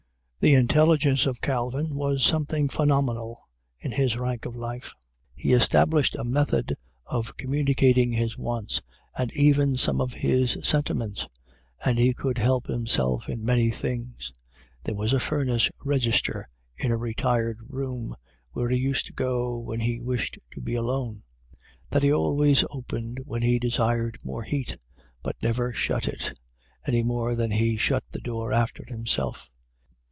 The intelligence of Calvin was something phenomenal, in his rank of life. He established a method of communicating his wants, and even some of his sentiments; and he could help himself in many things. There was a furnace register in a retired room, where he used to go when he wished to be alone, that he always opened when he desired more heat; but never shut it, any more than he shut the door after himself.